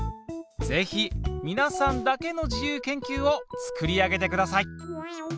ぜひみなさんだけの自由研究を作り上げてください。